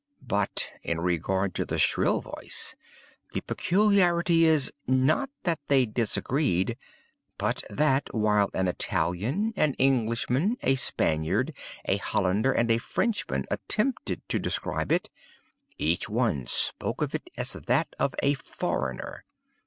But in regard to the shrill voice, the peculiarity is—not that they disagreed—but that, while an Italian, an Englishman, a Spaniard, a Hollander, and a Frenchman attempted to describe it, each one spoke of it as that of a foreigner.